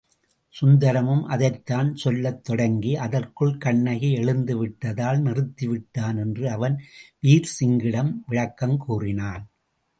சுந்தரமும் அதைத்தான் சொல்லத் தொடங்கி, அதற்குள் கண்ணகி எழுந்துவிட்டதால் நிறுத்திவிட்டான் என்று அவன் வீர்சிங்கிடம் விளக்கம் கூறினான்.